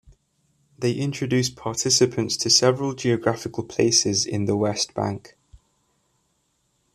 They introduce participants to several geographical places in the West Bank.